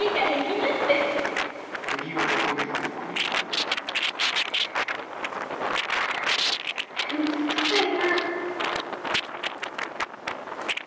めんどくさいな。